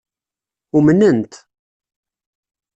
Umnen-t.